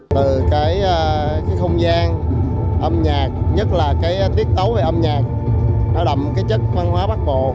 từ cái không gian âm nhạc nhất là cái tiết tấu về âm nhạc nó đậm cái chất văn hóa bắc bộ